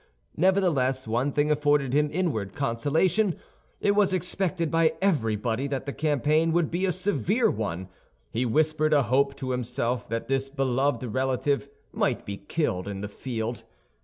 Nevertheless, one thing afforded him inward consolation; it was expected by everybody that the campaign would be a severe one. He whispered a hope to himself that this beloved relative might be killed in the field.